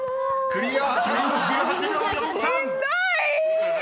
［クリアタイム１８秒４３］